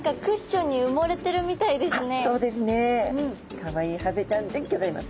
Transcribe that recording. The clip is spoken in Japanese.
かわいいハゼちゃんでギョざいます。